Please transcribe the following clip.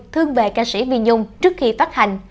thương về ca sĩ vi nhung trước khi phát hành